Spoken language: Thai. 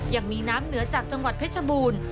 ยังมีน้ำเหนือจากจังหวัดเพชรบูรณ์